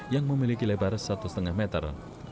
yang memiliki lebar satu lima meter